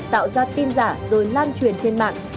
tạo ra tin giả rồi lan truyền trên mạng